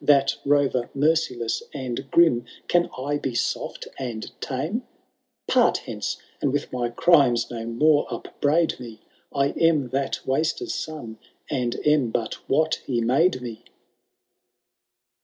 That rorer merciless and grim. Can I be soft and tame ? Part hence, and with my crimes no more upbraid me, I am that Waster^k son, and am but what he made me.